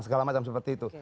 segala macam seperti itu